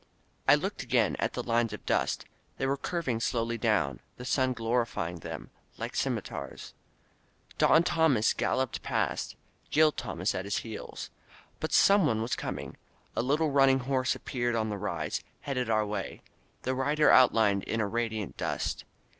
I looked again at the lines of dust — ^they were curving slowly down, the sun glorifying them — ^like scimitars. Don Tomas galloped past, Gil Tomas at his heels. But someone was coming. A little running horse ap peared on the rise, headed our way, the rider outlined in a radiant dust.